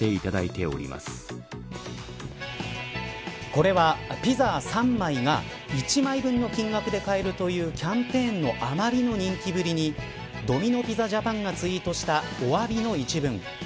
これは、ピザ３枚が１枚分の金額で買えるというキャンペーンのあまりの人気ぶりにドミノ・ピザジャパンがツイートしたお詫びの一文。